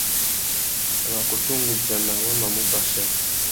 A mà kutu nʼgudzana wa mà mù bachia.